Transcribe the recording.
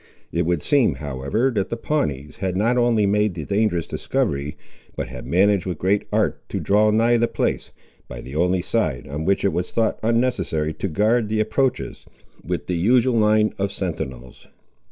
It would seem, however, that the Pawnees had not only made the dangerous discovery, but had managed with great art to draw nigh the place, by the only side on which it was thought unnecessary to guard the approaches with the usual line of sentinels.